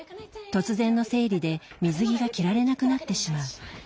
突然の生理で水着が着られなくなってしまう。